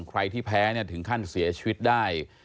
ใครที่แพ้ถึงขั้นเสียชีวิตได้